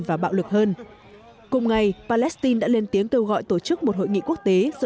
và bạo lực hơn cùng ngày palestine đã lên tiếng kêu gọi tổ chức một hội nghị quốc tế do